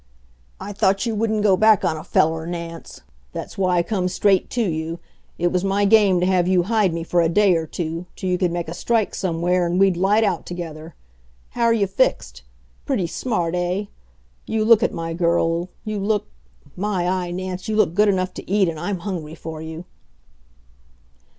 "I thought you wouldn't go back on a feller, Nance. That's why I come straight to you. It was my game to have you hide me for a day or two, till you could make a strike somewhere and we'd light out together. How're ye fixed? Pretty smart, eh? You look it, my girl, you look My eye, Nance, you look good enough to eat, and I'm hungry for you!"